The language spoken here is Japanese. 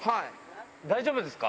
大丈夫ですか？